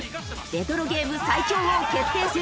レトロゲーム最強王決定戦。